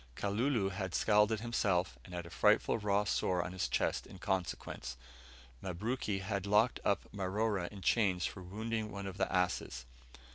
Kalulu had scalded himself, and had a frightful raw sore on his chest in consequence. Mabruki had locked up Marora in chains for wounding one of the asses.